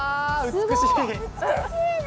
美しいね。